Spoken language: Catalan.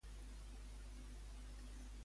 Què es comenta per LinkedIn?